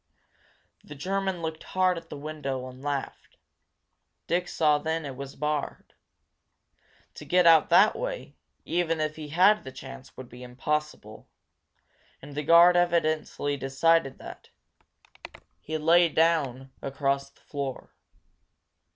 The German looked hard at the window and laughed. Dick saw then that it was barred. To get out that way, even if he had the chance, would be impossible. And the guard evidently decided that. He lay down across the door.